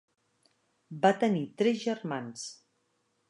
Va tenir tres germans.